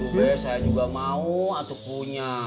ya saya juga ingin punya